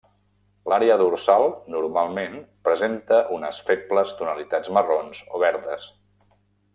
L'àrea dorsal normalment presenta unes febles tonalitats marrons o verdes.